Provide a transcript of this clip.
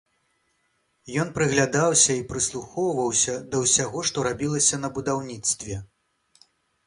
Ён прыглядаўся і прыслухоўваўся да ўсяго, што рабілася на будаўніцтве.